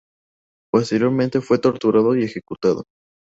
Posteriormente fue torturado y ejecutado.